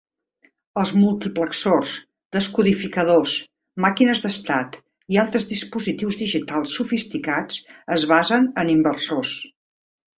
Els Multiplexors, descodificadors, màquines d'estat, i altres dispositius digitals sofisticats es basen en inversors.